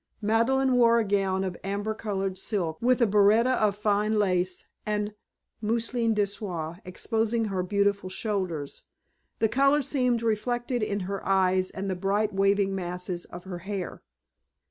Madeleine wore a gown of amber colored silk with a bertha of fine lace and mousseline de soie, exposing her beautiful shoulders. The color seemed reflected in her eyes and the bright waving masses of her hair.